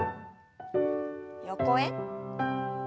横へ。